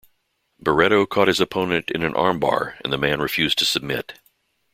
Barreto caught his opponent in an armbar and the man refused to submit.